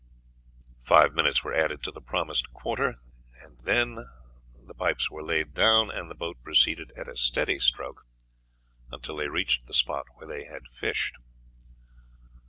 Five minutes were added to the promised quarter, and then the pipes were laid down, and the boat proceeded at a steady stroke until they reached the spot where they had fished.